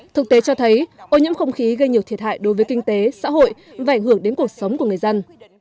thực tế cho thấy ô nhiễm không khí gây nhiều thiệt hại đối với kinh tế xã hội và ảnh hưởng đến cuộc sống của người dân